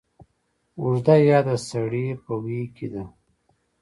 اوږده يا د سړې په ویي کې ده